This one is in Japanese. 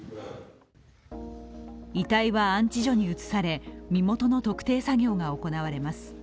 遺体は安置所に移され身元の特定作業が行われます。